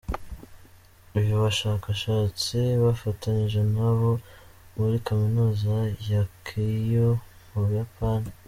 ba bashakashatsi bafatanyije n’abo muri Kaminuza ya Keio mu Buyapani.